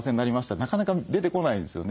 なかなか出てこないですよね。